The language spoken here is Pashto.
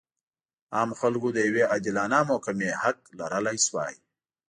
عامو خلکو د یوې عادلانه محکمې حق لرلی شوای.